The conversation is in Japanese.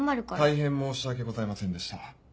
大変申し訳ございませんでした。